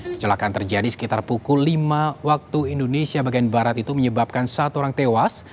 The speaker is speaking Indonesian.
kecelakaan terjadi sekitar pukul lima waktu indonesia bagian barat itu menyebabkan satu orang tewas